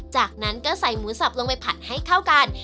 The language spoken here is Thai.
จากนั้นก็ใส่หมูสับลงไปผัดให้เข้ากัน